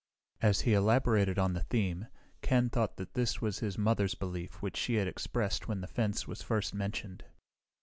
As he elaborated on the theme, Ken thought that this was his mother's belief which she had expressed when the fence was first mentioned.